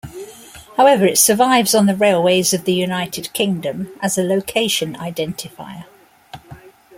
However it survives on the railways of the United Kingdom as a location identifier.